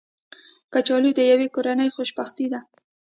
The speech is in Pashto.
کچالو د یوې کورنۍ خوشبختي ده